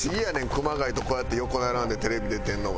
熊谷とこうやって横並んでテレビ出てるのが。